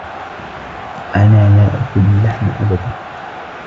أنا لا آكل اللحم أبدا.